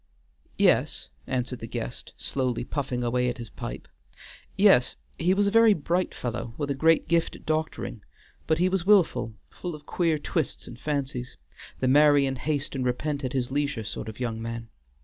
"Yes," answered the guest, slowly puffing away at his pipe. "Yes, he was a very bright fellow, with a great gift at doctoring, but he was willful, full of queer twists and fancies, the marry in haste and repent at his leisure sort of young man."